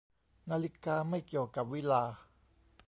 นาฬิกาไม่เกี่ยวกับวิฬาร์